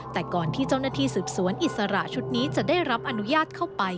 แต่ก่อนที่เจ้าหน้าที่สืบสวนอิสระชุดนี้จะได้รับอนุญาตเข้าไป